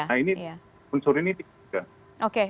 nah ini unsur ini tidak